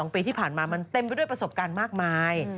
ปีที่ผ่านมามันเต็มไปด้วยประสบการณ์มากมาย